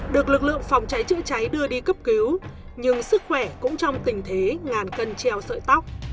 được lực lượng phòng cháy chữa cháy đưa đi cấp cứu nhưng sức khỏe cũng trong tình thế ngàn cân treo sợi tóc